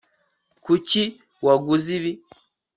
kuki waguze ibi